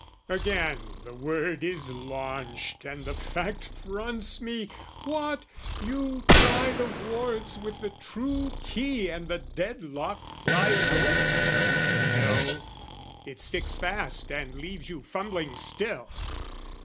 Again the word is launched And the fact fronts me! What, you try the wards With the true key and the dead lock flies ope? No, it sticks fast and leaves you fumbling still!